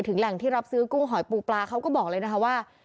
แหล่งที่รับซื้อกุ้งหอยปูปลาเขาก็บอกเลยนะคะว่า